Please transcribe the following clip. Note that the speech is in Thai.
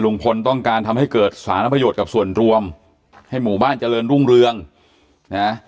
ลุงพลต้องการทำให้เกิดสารประโยชน์กับส่วนรวมให้หมู่บ้านเจริญรุ่งเรืองนะ